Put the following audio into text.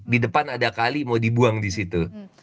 di depan ada kali mau dibuang di situ